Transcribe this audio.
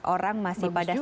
orang masih pada sibuk